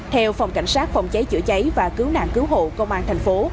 theo phòng cảnh sát phòng cháy chữa cháy và cứu nạn cứu hộ công an thành phố